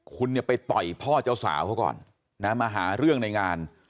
คุณเนี่ยไปต่อยพ่อเจ้าสาวเขาก่อนนะมาหาเรื่องในงาน